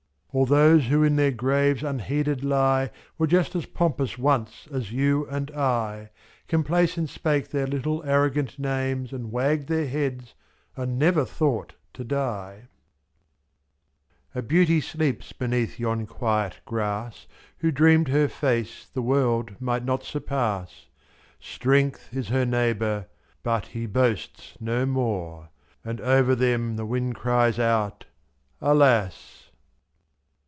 All those who in their graves unheeded lie Were just as pompous once as You and I, Mz Complacent spake their little arrogant names. And wagged their heads, and never thought to die. A beauty sleeps beneath yon quiet grass Who dreamed her face the world might not surpass, /jf.Strength is her neighbour, but he boasts no more, — And over them the wind cries out, "Alas